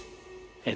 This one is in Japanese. えっ？